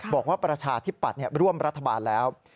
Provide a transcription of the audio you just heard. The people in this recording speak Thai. บอกว่าประชาธิบปัดร่วมรัฐบาลแล้ว